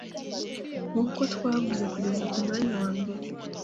Nguko uko twavuze kugeza kumwanya wambere